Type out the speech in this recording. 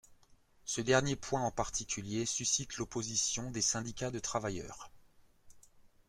Ce dernier point en particulier suscite l'opposition des syndicats de travailleurs.